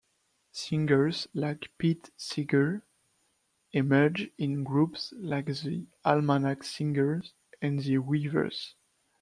Singers like Pete Seeger emerged, in groups like the Almanac Singers and The Weavers.